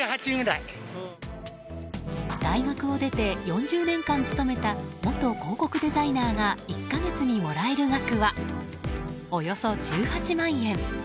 大学を出て４０年間勤めた元広告デザイナーが１か月にもらえる額はおよそ１８万円。